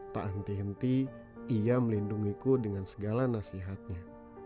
tak henti henti ia melindungiku dengan segala nasihatnya